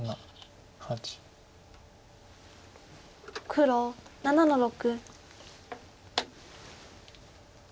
黒７の六。